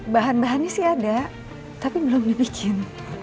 bahan bahannya sih ada tapi belum dibikin